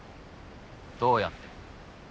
どうやって。